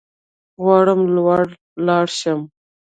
غواړم لوړ لاړ شم